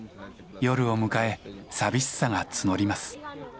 夜を迎え寂しさが募ります。